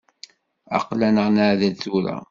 Aql-aneɣ neɛdel tura.